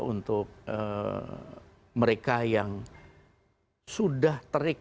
untuk mereka yang sudah terik